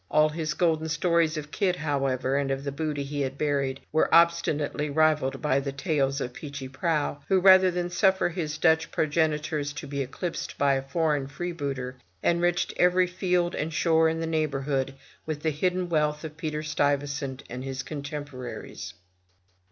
All his golden stories of Kidd, however, and of the booty he had buried, were obstinately rivalled by the tales of Peechy Prauw, who rather than suffer his Dutch progenitors to be eclipsed by a foreign freebooter, enriched every field and shore in the neighborhood with the hidden wealth of Peter Stuyvesant and his contemporaries.